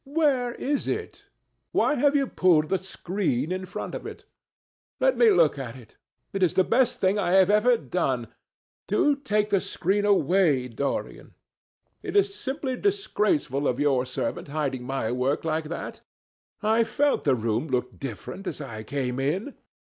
Where is it? Why have you pulled the screen in front of it? Let me look at it. It is the best thing I have ever done. Do take the screen away, Dorian. It is simply disgraceful of your servant hiding my work like that. I felt the room looked different as I came in."